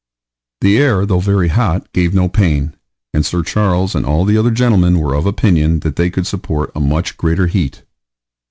The air, though very hot, gave no pain, and Sir Charles and all the other gentlemen were of opinion that they could support a much greater heat.